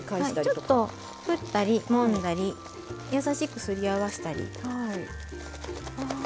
ちょっと振ったりもんだり優しくすり合わせたり。